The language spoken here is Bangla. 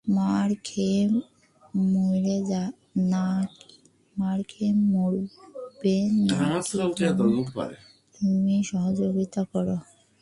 মার খেয়ে মরবে না-কি, বরং তুমি সহযোগিতা করো।